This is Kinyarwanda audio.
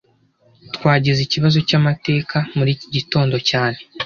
Twagize ikibazo cyamateka muri iki gitondo cyane